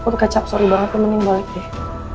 bu kecap sorry banget kamu mending balik deh